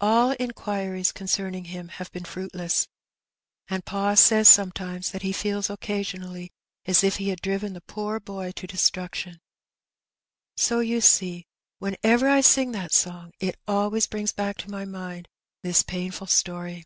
AU inquiries concerning him have been fruitless. And pa says sometimes that he feels occasionally as if he had driven the poor boy to destruction. So you see when ever I sing that song it always brings back to my mind this painful story."